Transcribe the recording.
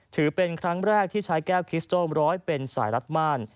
ถือเป็นครั้งแรกที่ใช้แก้วคิสโต้มร้อยเป็นสายรัดม่าน